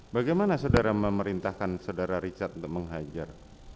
bagaimana saudara memerintahkan saudara richard untuk menghajar